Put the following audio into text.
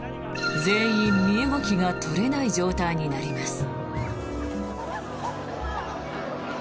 全員、身動きが取れない状態になります。